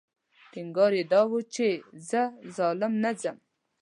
ټینګار یې دا و چې زه ظالم نه ځم.